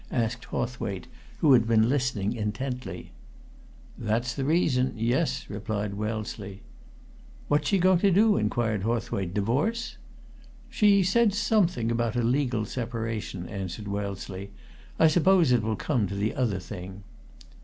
asked Hawthwaite, who had been listening intently. "That's the reason yes," replied Wellesley. "What's she going to do?" inquired Hawthwaite. "Divorce?" "She said something about a legal separation," answered Wellesley. "I suppose it will come to the other thing."